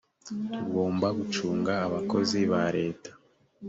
tugomba gucunga abakozi ba leta